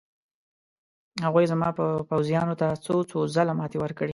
هغوی زما پوځیانو ته څو څو ځله ماتې ورکړې.